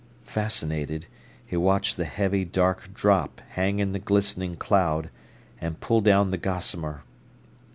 Fascinated, he watched the heavy dark drop hang in the glistening cloud, and pull down the gossamer.